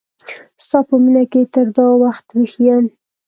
ستا په مینه کی تر دا وخت ویښ یم